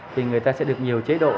thì người ta sẽ được nhiều chế độ